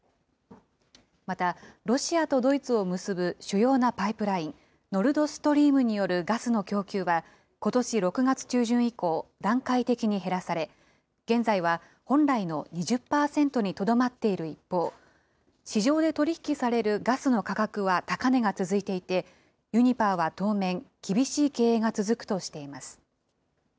また、ロシアとドイツを結ぶ主要なパイプライン、ノルドストリームによるガスの供給は、ことし６月中旬以降、段階的に減らされ、現在は本来の２０％にとどまっている一方、市場で取り引きされるガスの価格は高値が続いていて、ユニパーは当面、厳しい経営が続くとしています。